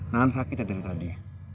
nahan sakit ya dari tadi